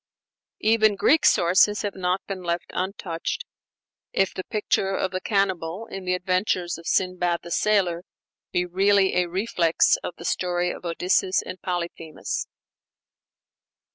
Even Greek sources have not been left untouched, if the picture of the cannibal in the adventures of Sindbad the Sailor be really a reflex of the story of Odysseus and Polyphemus.